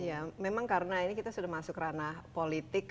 ya memang karena ini kita sudah masuk ranah politik